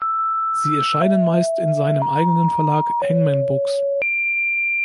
Sie erscheinen meist in seinem eigenen Verlag Hangman Books.